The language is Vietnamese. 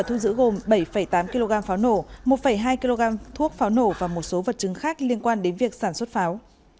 thu giữ gồm bảy tám kg pháo nổ một hai kg thuốc pháo nổ và một số vật chứng khác liên quan đến việc sản xuất pháo